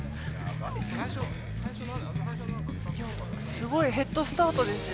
すごいヘッドスタートですよ